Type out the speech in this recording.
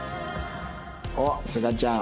おっすがちゃん。